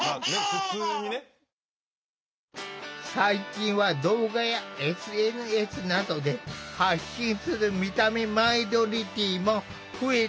最近は動画やＳＮＳなどで発信する見た目マイノリティーも増えている。